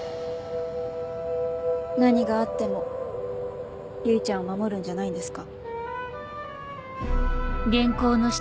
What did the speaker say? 何があっても唯ちゃんを守るんじゃないんですか？